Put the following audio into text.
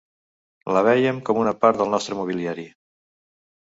La veiem com una part del nostre mobiliari.